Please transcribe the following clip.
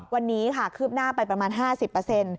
วันนี้ค่ะคืบหน้าไปประมาณ๕๐